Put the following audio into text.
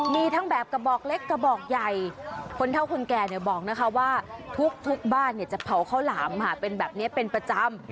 มีทั้งแบบกระบอกเล็กกระบอกใหญ่คนเท่าคนแก่เนี่ยบอกนะคะว่าทุกบ้านเนี่ยจะเผาข้าวหลามเป็นแบบนี้เป็นประจำ